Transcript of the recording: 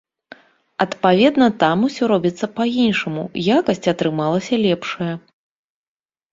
Адпаведна, там усё робіцца па-іншаму, якасць атрымалася лепшая.